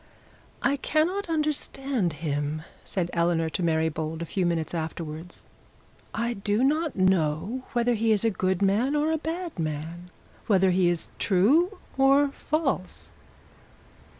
'I cannot understand him,' said Eleanor to Mary Bold, a few minutes afterwards. 'I do not know whether he is a good man or a bad man whether he is true or false.'